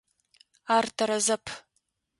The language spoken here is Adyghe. Ар тэрэзэп.